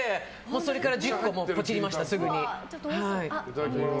それから１０個、ポチりましたいただきます。